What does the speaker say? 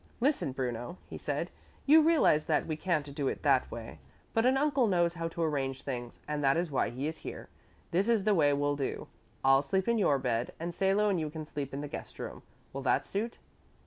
"Listen, Bruno," he said, "you realize that we can't do it that way. But an uncle knows how to arrange things and that is why he is here. This is the way we'll do. I'll sleep in your bed, and Salo and you can sleep in the guest room. Will that suit?"